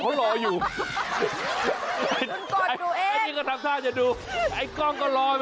ก็ทำท่าจะดูไอ้กล้องก็รอ